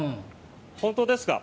本当ですか？